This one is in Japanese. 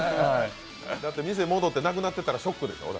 だって店戻ってなくなってたらショックでしょ。